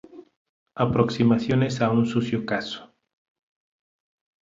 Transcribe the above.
Aproximaciones a un sucio caso".